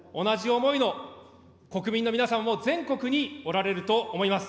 同じ思いの国民の皆さんも全国におられると思います。